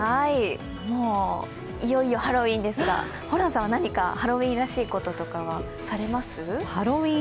もういよいよハロウィーンですがホランさんは何かハロウィーンらしいことはされます？